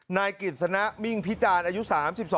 นายกิจสนะมิ่งพิจารณ์อายุ๓๒